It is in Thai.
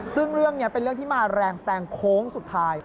ซึ่งเรื่องนี้เป็นเรื่องที่มาแรงแซงโค้งสุดท้าย